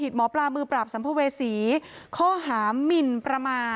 ทางพันธรรม